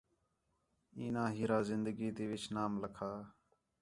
ایناں ہیرا زندگی تی وِچ نام لَکھا